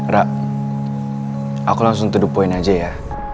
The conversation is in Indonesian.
rar aku langsung tudup poin aja ya